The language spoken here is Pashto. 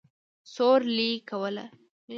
سورلي کوله.